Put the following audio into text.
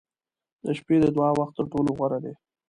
• د شپې د دعا وخت تر ټولو غوره دی.